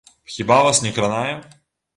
Хіба вас не кранае?